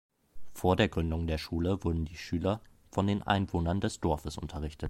Vor der Gründung der Schule wurden die Schüler von den Einwohnern des Dorfes unterrichtet.